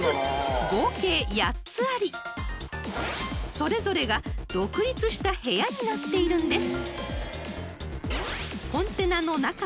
［それぞれが独立した部屋になっているんです］